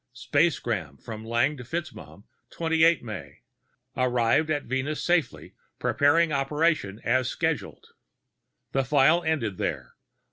Spacegram from Lang to FitzMaugham, 28 May: arrived at Venus safely, preparing operation as scheduled. The file ended there.